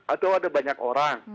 atau ada banyak orang